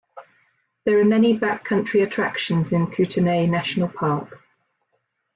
There are many back country attractions in Kootenay National Park.